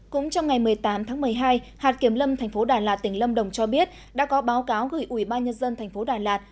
cũng trong ngày một mươi tám tháng một mươi hai hạt kiểm lâm tp đà lạt tỉnh lâm đồng cho biết đã có báo cáo gửi ủy ban nhân dân tp đà lạt